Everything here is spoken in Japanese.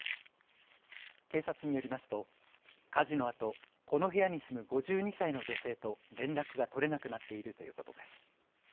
警察によりますと火事のあと、この部屋に住む５２歳の女性と連絡が取れなくなっているということです。